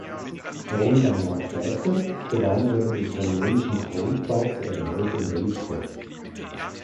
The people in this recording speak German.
Rund ein Jahr später gewann er im italienischen Kronplatz erneut im Weltcup.